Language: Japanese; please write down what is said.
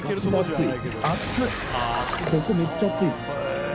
ここめっちゃ熱いです。